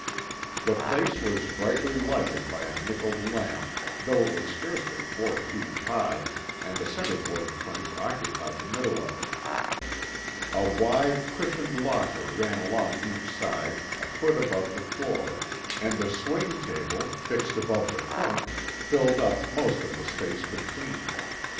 The place was brightly lighted by a nickelled lamp, though it was scarcely four feet high and the centreboard trunk occupied the middle of it. A wide, cushioned locker ran along each side a foot above the floor, and a swing table, fixed above the trunk, filled up most of the space between.